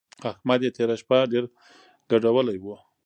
احمد يې تېره شپه ډېر ګډولی وو.